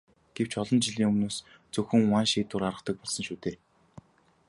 Гэвч олон жилийн өмнөөс зөвхөн ван шийдвэр гаргадаг болсон шүү дээ.